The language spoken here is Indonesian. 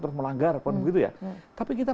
terus melanggar tapi kita